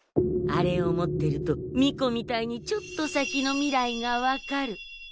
あれを持ってると巫女みたいにちょっと先の未来が分かる。